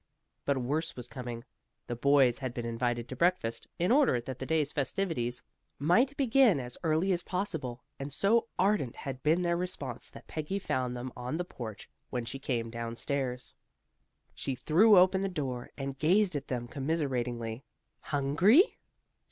But worse was coming. The boys had been invited to breakfast, in order that the day's festivities might begin as early as possible, and so ardent had been their response that Peggy found them on the porch when she came down stairs. She threw the door open and gazed at them commiseratingly. "Hungry?"